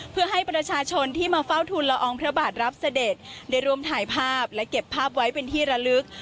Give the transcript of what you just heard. เพื่อให้ประชาชนที่มาเฝ้าทุนละอองพระบาทรับเสด็จได้ร่วมถ่ายภาพและเก็บภาพไว้เป็นที่ระลึก